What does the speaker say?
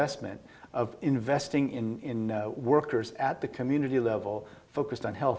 saya pikir cara terbaik untuk melakukannya